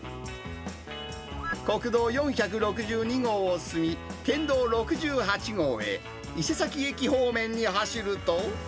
国道４６２号を進み、県道６８号へ伊勢崎駅方面に走ると。